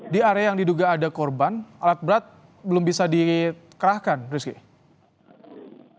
di area yang diduga ada korban alat berat belum bisa dikerahkan rizky